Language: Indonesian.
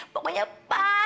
pokoknya pas banget